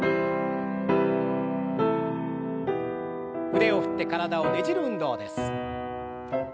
腕を振って体をねじる運動です。